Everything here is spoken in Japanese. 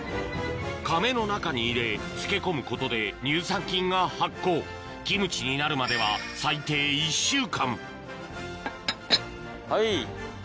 かめの中に入れ漬け込むことで乳酸菌が発酵キムチになるまでは最低１週間はい。